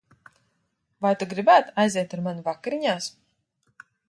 Vai tu gribētu aiziet ar mani vakariņās?